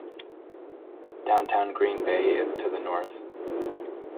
Downtown Green Bay is to the north.